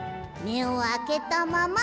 めをあけたまま！？